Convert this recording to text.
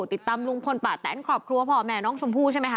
ติดตามลุงพลปะแต่ลกขอบครัวพ่อแม่น้องชมพู่ใช่มั้ยคะ